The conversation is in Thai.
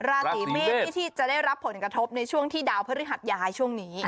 ราศีเมษที่จะได้รับผลกระทบในช่วงที่ดาวพฤหัสย้ายช่วงนี้